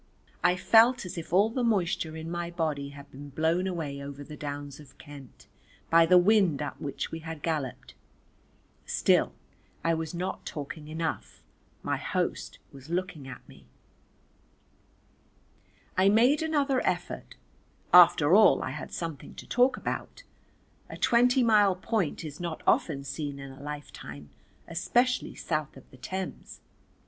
I felt as if all the moisture in my body had been blown away over the downs of Kent by the wind up which we had galloped. Still I was not talking enough; my host was looking at me. I made another effort, after all I had something to talk about, a twenty mile point is not often seen in a lifetime, especially south of the Thames.